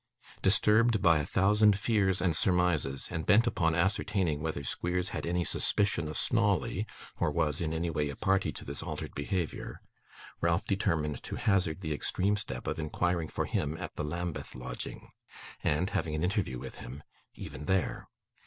Disturbed by a thousand fears and surmises, and bent upon ascertaining whether Squeers had any suspicion of Snawley, or was, in any way, a party to this altered behaviour, Ralph determined to hazard the extreme step of inquiring for him at the Lambeth lodging, and having an interview with him even there.